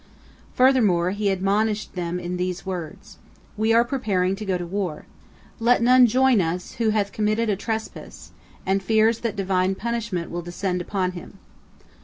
Furthermore he admonished them in these words: "We are preparing to go to war. Let none join us who hath committed a trespass, and fears that Divine punishment will descend upon him."